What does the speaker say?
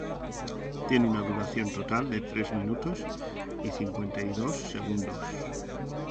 Tiene una duración total de tres minutos y cincuenta y dos segundos.